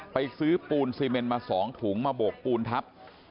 ไปซื้อปูนซีเมนมา๒ถุงมาโบกปูนทับ